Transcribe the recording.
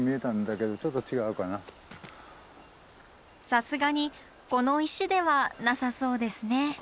さすがにこの石ではなさそうですね。